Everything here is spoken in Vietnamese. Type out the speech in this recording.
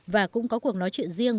và cũng có cuộc nói chuyện riêng